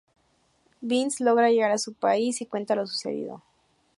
Binns logra llegar a su país y cuenta lo sucedido.